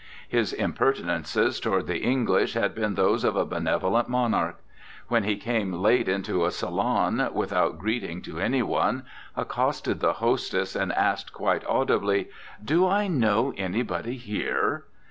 His imper tinences toward the English had been those of a benevolent monarch. When he came late into a salon, without greet ing to anyone, accosted the hostess and asked, quite audibly: "Do I know any body here?"